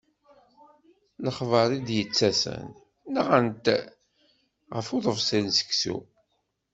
Lexbar i d-yettasen, nɣan-t ɣef uḍebsi n seksu.